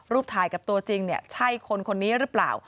รูปถ่ายกับตัวจริงเนี่ยใช่คนนี้หรือเปล่า